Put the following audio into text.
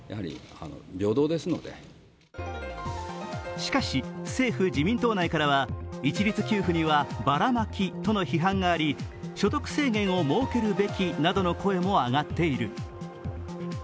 しかし、政府・自民党内からは一律給付にはバラマキとの批判があり所得制限を設けるべきなどの声も上がっている。